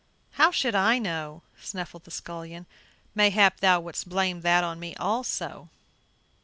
"How should I know?" snuffled the scullion, "mayhap thou wouldst blame that on me also?"